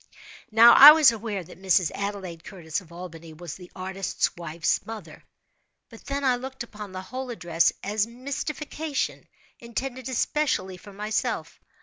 Now, I was aware that Mrs. Adelaide Curtis, of Albany, was the artist's wife's mother,—but then I looked upon the whole address as a mystification, intended especially for myself.